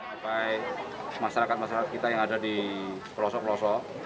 apa masyarakat masyarakat kita yang ada di pelosok pelosok